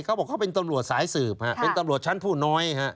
เขาบอกเขาเป็นตำรวจสายสืบฮะเป็นตำรวจชั้นผู้น้อยฮะ